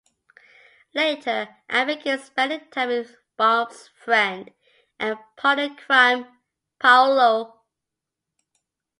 Later, Anne begins spending time with Bob's friend and partner-in-crime, Paolo.